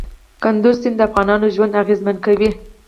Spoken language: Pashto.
کندز سیند د افغانانو ژوند اغېزمن کوي.